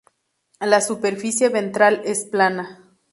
La superficie ventral es plana.